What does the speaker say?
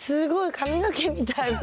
髪の毛みたいもう。